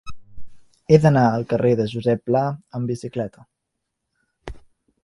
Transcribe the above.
He d'anar al carrer de Josep Pla amb bicicleta.